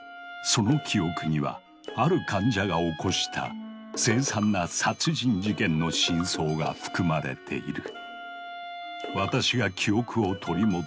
その記憶にはある患者が起こした凄惨な殺人事件の真相が含まれている。